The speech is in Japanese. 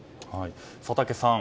佐竹さん。